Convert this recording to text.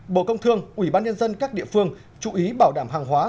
bộ công thương ủy ban nhân dân các địa phương chú ý bảo đảm hàng hóa